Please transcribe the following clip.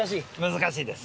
難しいです！！